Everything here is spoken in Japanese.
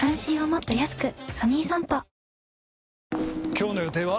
今日の予定は？